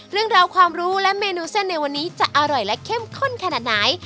เรื่องราวความรู้และเมนูเส้นในวันนี้จะอร่อยและเข้มข้นขนาดไหน